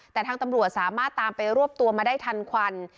แต่ทางตำรวจสามารถตามไปรวบตัวมาได้ทันควัน